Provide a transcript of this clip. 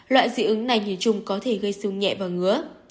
loại dị ứng này nhìn chung có thể gây siêu nhẹ và ngứa